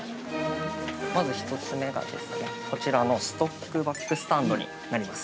◆まず１つ目が、こちらのストックバッグスタンドになります。